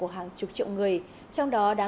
và có cửa sổ lớn